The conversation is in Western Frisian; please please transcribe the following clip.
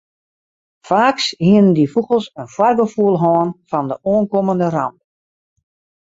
Faaks hiene dy fûgels in foargefoel hân fan de oankommende ramp.